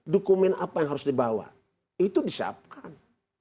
dokumen apa yang harus dibawa itu disiapkan